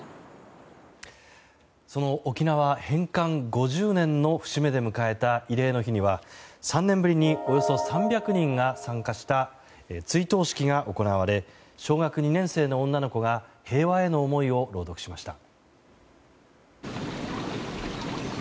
その沖縄返還５０年の節目で迎えた慰霊の日には３年ぶりにおよそ３００人が参加した追悼式が行われ小学２年生の女の子が平和への思いを朗読しました。